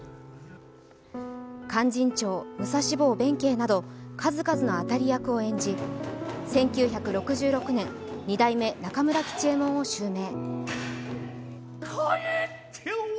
「勧進帳」、武蔵坊弁慶など数々の当たり役を演じ１９６６年、二代目中村吉右衛門を襲名。